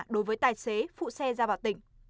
đối với tài xế phụ xe ra vào tỉnh